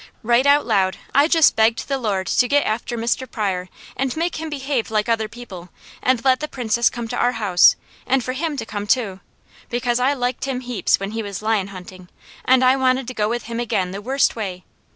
Right out loud, I just begged the Lord to get after Mr. Pryor and make him behave like other people, and let the Princess come to our house, and for him to come too; because I liked him heaps when he was lion hunting, and I wanted to go with him again the worst way.